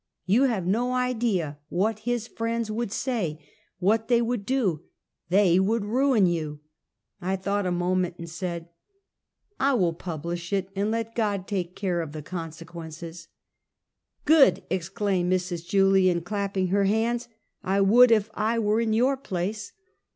You have no idea what his friends would say, what they would do. They would ruin you." I thought a moment, and said: " I will publish it, and let God take care of the con sequences." " Good! " exclaimed Mrs. Julian, clapping her hands. " I would if I were in your place."